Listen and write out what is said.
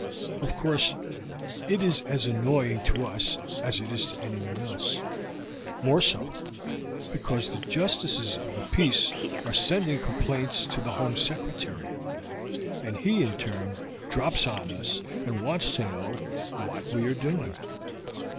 "Of course it is as annoying to us as it is to anyone else; more so, because the Justices of the Peace are sending complaints to the Home Secretary, and he in turn drops on us and wants to know what we are doing.